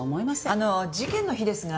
あの事件の日ですが。